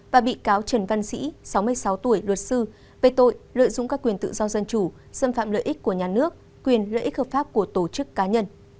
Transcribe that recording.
và bị cáo trần văn sĩ sáu mươi sáu tuổi luật sư về tội lợi dụng các quyền tự do dân chủ xâm phạm lợi ích của nhà nước quyền lợi ích hợp pháp của tổ chức cá nhân